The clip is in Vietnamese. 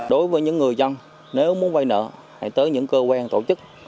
đối với những người dân nếu muốn vay nợ thì tới những cơ quan tổ chức